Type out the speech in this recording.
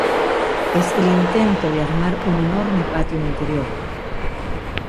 Es el intento de armar un enorme patio interior".